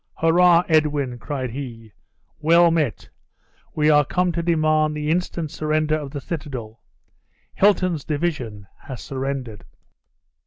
"Hurrah, Edwin!" cried he; "well met! We are come to demand the instant surrender of the citadel. Hilton's division has surrendered!"